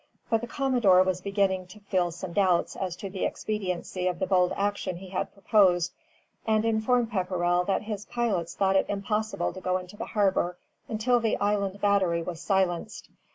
But the Commodore was beginning to feel some doubts as to the expediency of the bold action he had proposed, and informed Pepperrell that his pilots thought it impossible to go into the harbor until the Island Battery was silenced.